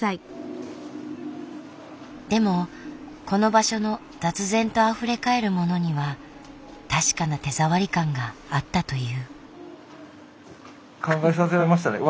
でもこの場所の雑然とあふれ返るものには確かな手触り感があったという。